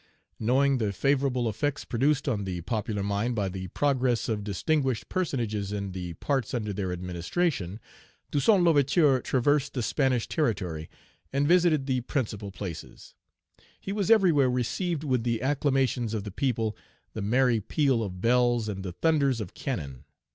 Knowing the favorable effects produced on the popular mind by the progress of distinguished personages in the parts under their administration. Toussaint L'Ouverture traversed the Spanish territory and visited the principal places. He was everywhere received with the acclamations of the people, the merry peal of bells, and the thunders of cannon.